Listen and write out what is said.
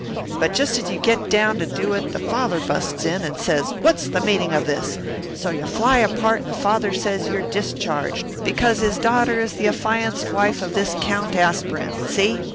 But just as you get down to it the father busts in and says what's the meaning of this, so you fly apart and the father says you're discharged, because his daughter is the affianced wife of this Count Aspirin, see?